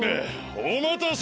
おまたせ。